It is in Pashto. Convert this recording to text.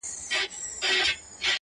منځ کي پروت یې زما د سپینو ایینو ښار دی,